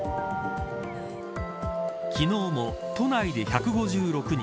昨日も都内で１５６人